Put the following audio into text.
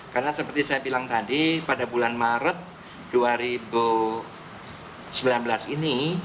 karena seperti saya bilang tadi pada bulan maret dua ribu sembilan belas ini